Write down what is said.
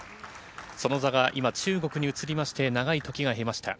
その座が今、中国に移りまして、長い時が経ました。